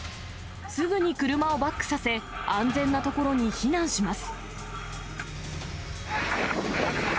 すぐに車をバックさせ、安全な所に避難します。